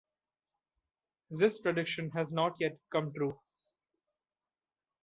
This prediction has not yet come true.